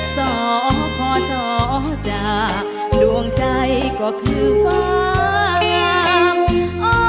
สอขอสอจากดวงใจก็คือฟ้า